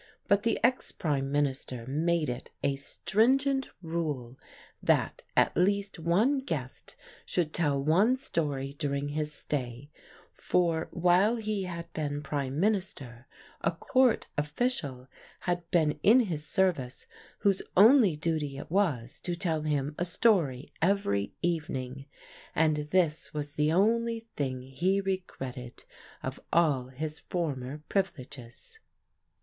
But the ex Prime Minister made it a stringent rule that at least one guest should tell one story during his stay, for while he had been Prime Minister a Court official had been in his service whose only duty it was to tell him a story every evening, and this was the only thing he regretted of all his former privileges.